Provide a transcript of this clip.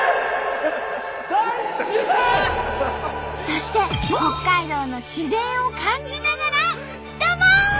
そして北海道の自然を感じながらドボン！